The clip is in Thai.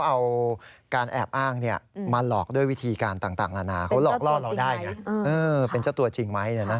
เอ๊ะเขาเอาการแอบอ้าง